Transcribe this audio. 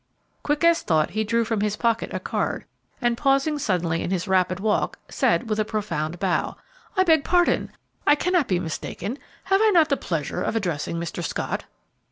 Quick as thought he drew from his pocket a card, and, pausing suddenly in his rapid walk, said, with a profound bow, "I beg pardon; I cannot be mistaken; have I not the pleasure of addressing Mr. Scott?"